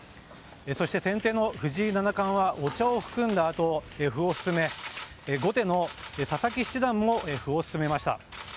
そして先手の藤井七冠はお茶を含んだあと歩を進め、後手の佐々木七段も歩を進めました。